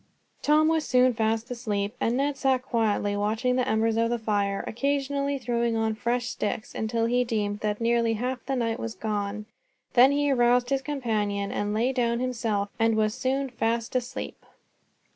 Tom was soon fast asleep, and Ned sat quietly watching the embers of the fire, occasionally throwing on fresh sticks, until he deemed that nearly half the night was gone. Then he aroused his companion and lay down himself, and was soon fast asleep.